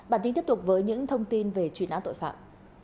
bản tin tiếp tục với những thông tin về truy nã tội phạm